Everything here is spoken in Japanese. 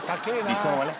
理想はね。